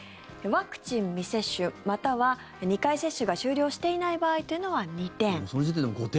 ワクチン未接種または２回接種が終了していない場合というのは２点。